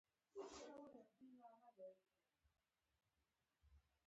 جميلې وويل: سمه ده ته اوس ژر ولاړ شه.